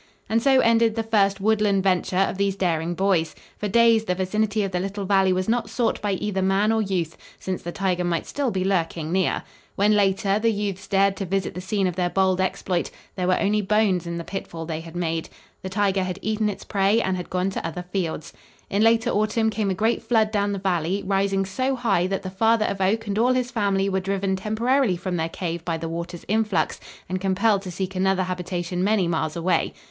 And so ended the first woodland venture of these daring boys. For days the vicinity of the little valley was not sought by either man or youth, since the tiger might still be lurking near. When, later, the youths dared to visit the scene of their bold exploit, there were only bones in the pitfall they had made. The tiger had eaten its prey and had gone to other fields. In later autumn came a great flood down the valley, rising so high that the father of Oak and all his family were driven temporarily from their cave by the water's influx and compelled to seek another habitation many miles away.